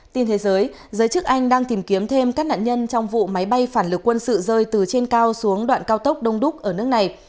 tin thế giới giới chức anh đang tìm kiếm thêm các nạn nhân trong vụ máy bay phản lực quân sự rơi từ trên cao xuống đoạn cao tốc đông đúc ở nước này